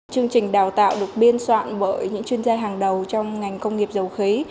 chương trình đào tạo được biên soạn bởi những chuyên gia hàng đầu trong ngành công nghiệp dầu khí